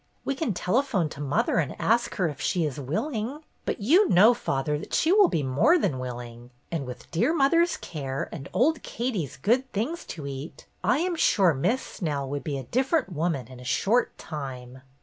We can tele phone to mother and ask her if she is willing. But you know, father, that she will be more MISS SNELL'S VISIT 271 than willing, and with dear mother's care and old Katie's good things to eat, I am sure Miss Snell would be a different woman in a short time."